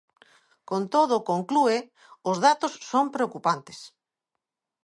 Con todo, conclúe, os datos son preocupantes.